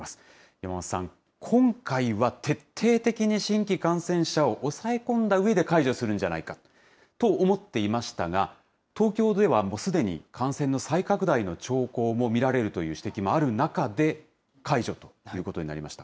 山枡さん、今回は徹底的に新規感染者を抑え込んだうえで解除するんじゃないかと思っていましたが、東京ではもうすでに感染の再拡大の兆候も見られるという指摘もある中で、解除ということになりました。